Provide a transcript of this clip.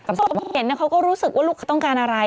เขาบอกเห็นเขาก็รู้สึกว่าลูกเขาต้องการอะไร